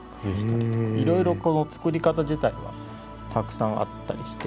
いろいろこの作り方自体はたくさんあったりして。